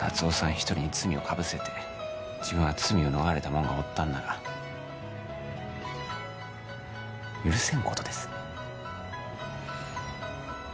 一人に罪をかぶせて自分は罪を逃れたもんがおったんなら許せんことですね